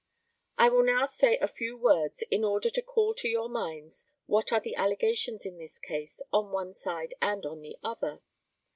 I will now say a few words in order to call to your minds what are the allegations in this case on one side and on the other.